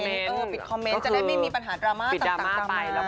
เป็นคอมเมนต์ปิดค่าเลยไม่มีปัญหาดรามะก็คือปิดดรามะไป